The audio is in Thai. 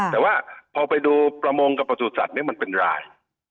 แต่ว่าพอไปดูประมงกับประสูจนสัตว์มันเป็นราย